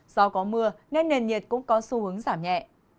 do có mưa nên nền nhiệt cũng có xu hướng giảm nhẹ